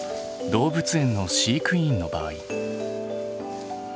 動物園の飼育員の場合。